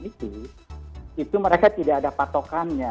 itu itu mereka tidak ada patokannya